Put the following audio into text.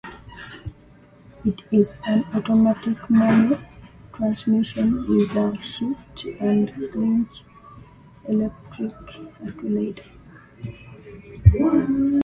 It in an automated manual transmission with a shift and clutch electric actuator.